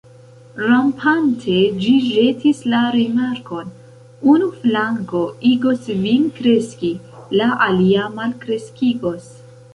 Rampante, ĝi ĵetis la rimarkon: "Unu flanko igos vin kreski, la alia malkreskigos. »